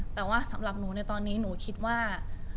แต่ว่าสำหรับหนูในตอนนี้หนูคิดว่า